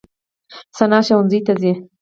ثنا ښوونځي ته ځي.